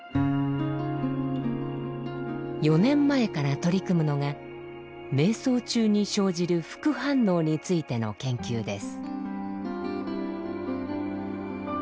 ４年前から取り組むのが瞑想中に生じる副反応についての研究です。